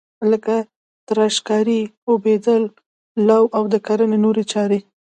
لکه تراشکاري، اوبدل، لو او د کرنې نورې چارې.